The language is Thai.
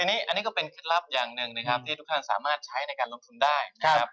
อันนี้ก็เป็นเคล็ดลับอย่างหนึ่งนะครับที่ทุกท่านสามารถใช้ในการลงทุนได้นะครับ